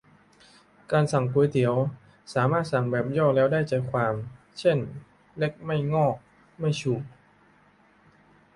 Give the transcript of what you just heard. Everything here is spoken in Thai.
การสั่งก๋วยเตี๋ยว สามารถสั่งแบบย่อแล้วได้ใจความ เช่นเล็กไม่งอกไม่ชู